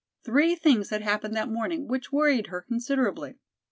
Three things had happened that morning which worried her considerably.